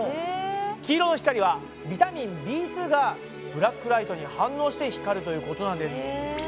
黄色の光はビタミンＢ２がブラックライトに反応して光るということなんです。